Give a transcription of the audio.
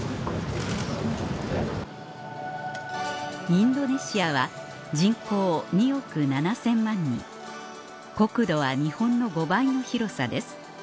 インドネシアは人口２億７０００万人国土は日本の５倍の広さです